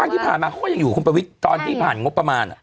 ครั้งที่ผ่านมาเขาก็ยังอยู่กับคุณปวิทย์ตอนที่ผ่านงบประมาณอ่ะใช่